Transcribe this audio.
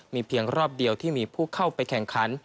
มีเพียงรอบเดียวที่มีผู้เข้าไปแข่งขัน